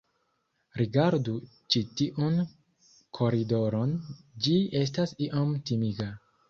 Rigardu ĉi tiun koridoron ĝi estas iom timiga